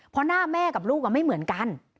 เพราะหน้าแม่กับลูกไม่เหมือนกัน